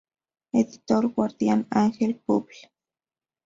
Editor Guardian Angel Publ.